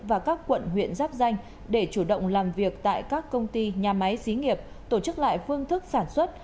và các quận huyện giáp danh để chủ động làm việc tại các công ty nhà máy xí nghiệp tổ chức lại phương thức sản xuất